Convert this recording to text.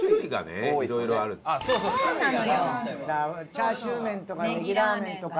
チャーシューメンとかネギラーメンとか。